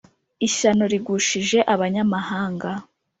ishyano rigushije abanyamahanga